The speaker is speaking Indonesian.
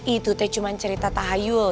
itu teh cuma cerita tahayul